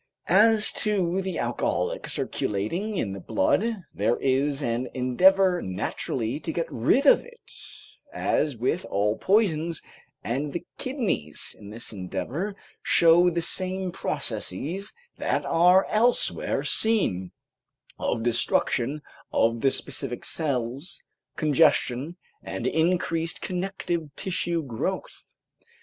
As to the alcohol circulating in the blood, there is an endeavor naturally to get rid of it as with all poisons, and the kidneys in this endeavor show the same processes that are elsewhere seen, of destruction of the specific cells, congestion, and increased connective tissue growth.